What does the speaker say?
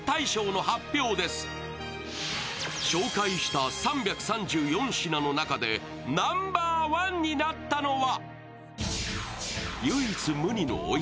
紹介した３３４品の中でナンバーワンになったのは？